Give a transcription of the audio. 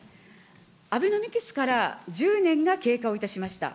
アベノミクスから１０年が経過をいたしました。